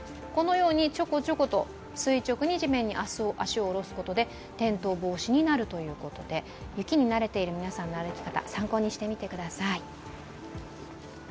このように、チョコチョコと垂直に地面に足を下ろすことで転倒防止になるということで、雪に慣れている皆さんの歩き方、参考にしてみてください。